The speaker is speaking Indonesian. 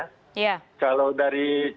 kalau dari catatan dan dari penelitiannya